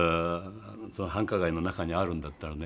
繁華街の中にあるんだったらね